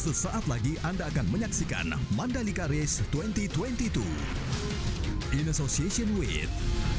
sesaat lagi anda akan menyaksikan mandalika race dua ribu dua puluh dua in association with